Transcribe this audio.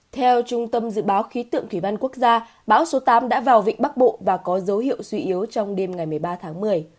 theo trung tâm dự báo khí tượng thủy văn quốc gia bão số tám đã vào vịnh bắc bộ và có dấu hiệu suy yếu trong đêm ngày một mươi ba tháng một mươi